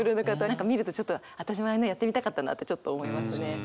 何か見るとちょっと私もあんなんやってみたかったなってちょっと思いますね。